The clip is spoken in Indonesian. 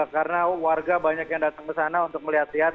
karena warga banyak yang datang ke sana untuk melihat lihat